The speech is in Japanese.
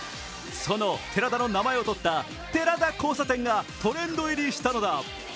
その寺田の名前を取った寺田交差点がトレンド入りした。